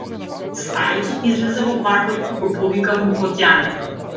Старецот излезе во паркот и го повика внукот Јане.